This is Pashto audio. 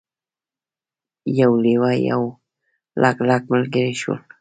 یو لیوه او یو لګلګ ملګري شول.